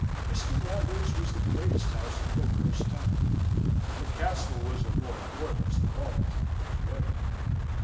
Mr. Lambert's was the greatest house in Oakhurst town; but the Castle was of more importance than all the town put together.